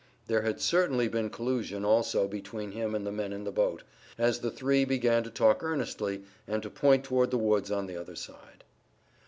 There had certainly been collusion also between him and the men in the boat, as the three began to talk earnestly, and to point toward the woods on the other side.